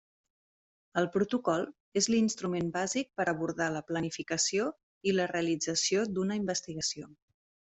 El protocol és l'instrument bàsic per abordar la planificació i la realització d'una investigació.